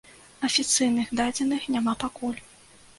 Афіцыйных дадзеных няма пакуль.